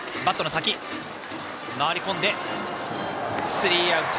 スリーアウト。